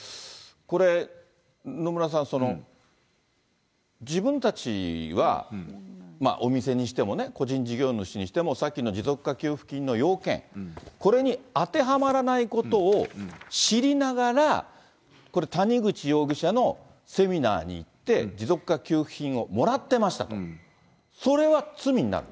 これ、野村さん、自分たちは、お店にしても、個人事業主にしても、さっきの持続化給付金の要件、これに当てはまらないことを知りながら、これ谷口容疑者のセミナーに行って、持続化給付金をもらってましたと、それは罪になる？